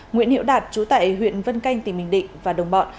nguyễn hiễu đạt trú tại huyện vân canh tỉnh bình định và đồng bọn